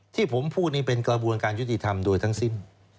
ที่ผมพูดนี่เป็นกระบวนการยุติธรรมโดยทั้งสิ้น